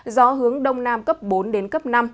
gió hướng đông nam cấp bốn đến cấp năm